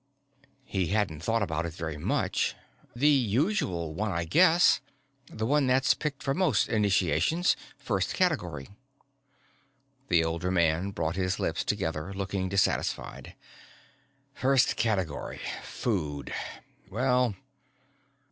He hadn't thought about it very much. "The usual one I guess. The one that's picked for most initiations. First category." The older man brought his lips together, looking dissatisfied. "First category. Food. Well...."